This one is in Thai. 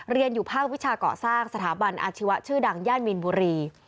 เรียนอยู่ภาควิชาเกาะสร้างสถาบันอาชีวะชื่อดังย่านมีนบุรี